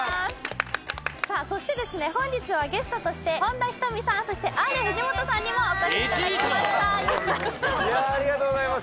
本日はゲストとして本田仁美さん、そしてＲ藤本さんにもお越しいただきました。